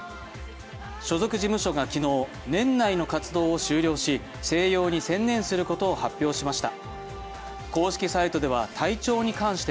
所属事務所が昨日、年内の活動を終了し、静養に専念することを発表しました。